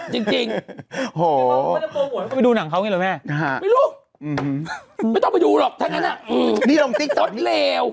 จริงโหไม่ต้องโปรโหลไม่ต้องไปดูหรอกทั้งนั้นน่ะพจน์เลว